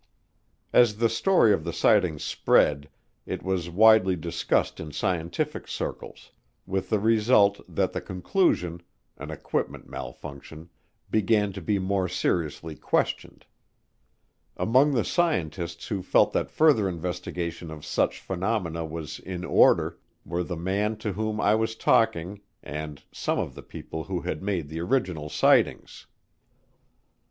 As the story of the sightings spread it was widely discussed in scientific circles, with the result that the conclusion, an equipment malfunction, began to be more seriously questioned. Among the scientists who felt that further investigation of such phenomena was in order, were the man to whom I was talking and some of the people who had made the original sightings.